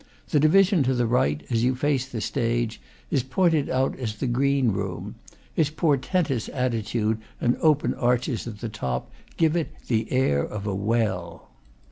The division to the right, as you face the stage, is pointed out as the green room; its portentous attitude and the open arches at the top give it the air of a well.